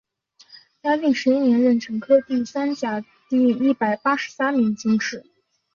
嘉靖十一年壬辰科第三甲第一百八十三名进士。